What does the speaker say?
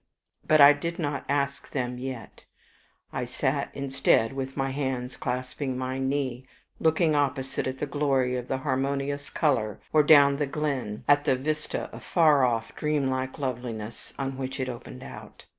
But I did not ask them yet. I sat instead with my hands clasping my knee, looking opposite at the glory of harmonious color, or down the glen at the vista of far off, dream like loveliness, on which it opened out.